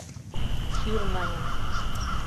«Шӱр», — маньым.